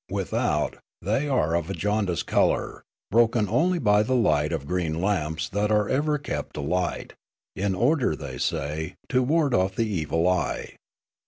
Without, they are of a jaundiced colour, broken only by the light of green lamps that are ever kept alight, in order, they say, to ward off the evil eye.